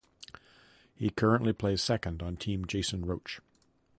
He currently plays second on Team Jason Roach.